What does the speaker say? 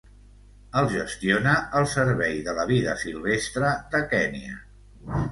El gestiona el Servei de la Vida Silvestre de Kenya.